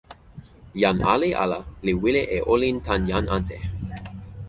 jan ali ala li wile e olin tan jan ante.